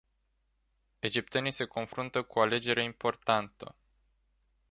Egiptenii se confruntă cu o alegere importantă.